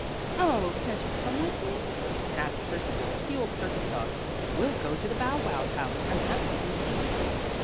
"Oh, can't you come with me?" asked Percival, the old circus dog. "We'll go to the Bow Wows house, and have something to eat."